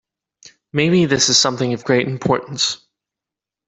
Maybe this is something of great importance.